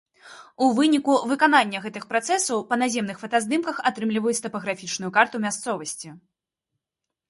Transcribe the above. У выніку выканання гэтых працэсаў па наземных фотаздымках атрымліваюць тапаграфічную карту мясцовасці.